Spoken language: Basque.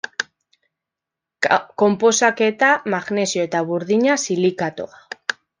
Konposaketa: Magnesio eta Burdina silikatoa.